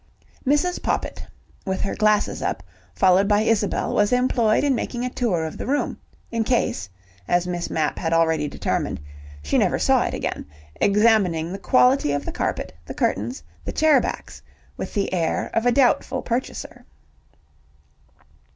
Mrs. Poppit, with her glasses up, followed by Isabel was employed in making a tour of the room, in case, as Miss Mapp had already determined, she never saw it again, examining the quality of the carpet, the curtains, the chair backs with the air of a doubtful purchaser.